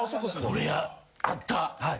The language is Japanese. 俺あった。